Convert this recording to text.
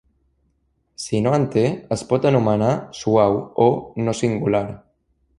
Si no en té, es pot anomenar "suau" o "no singular".